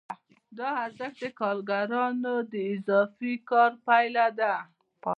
دا ارزښت د کارګرانو د اضافي کار پایله ده